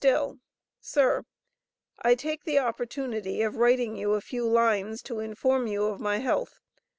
STILL: Sir I take the opportunity of writing you a few lines to inform you of my health.